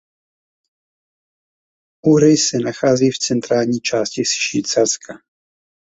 Uri se nachází v centrální části Švýcarska.